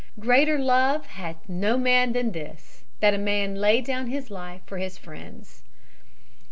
"Greater love hath no man than this, that a man lay down his life for his friends."